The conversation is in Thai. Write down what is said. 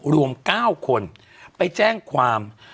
รวม๙คนไปแจ้งความ